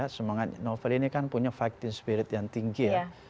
semangat novel ini kan punya fighting spirit yang tinggi ya